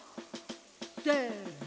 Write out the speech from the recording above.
せの！